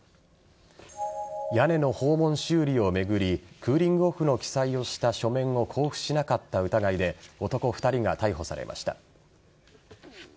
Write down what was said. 屋根の訪問修理を巡りクーリングオフの記載をした書面を交付しなかった疑いで男２人が逮捕されました。